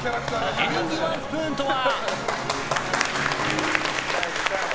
エリンギワンスプーンとは？